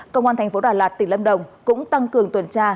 công an tp đà lạt tỉnh lâm đồng cũng tăng cường tuần tra